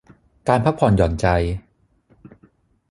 การพักผ่อนหย่อนใจ